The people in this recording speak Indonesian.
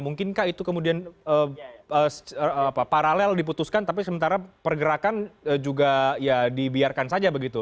mungkinkah itu kemudian paralel diputuskan tapi sementara pergerakan juga ya dibiarkan saja begitu